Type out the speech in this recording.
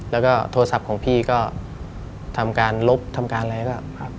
แล้วก็โทรศัพท์ของพี่ก็ทำการลบทำการอะไรก็ครับ